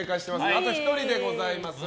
あと１人でございます。